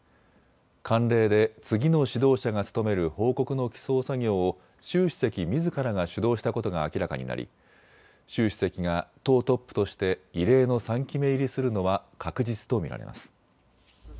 慣例で次の指導者が務める報告の起草作業を習主席みずからが主導したことが明らかになり、習主席が党トップとして異例の３期目入りするのは確実と見られます。